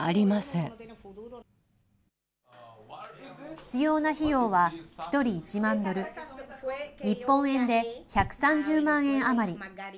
必要な費用は１人１万ドル、日本円で１３０万円余り。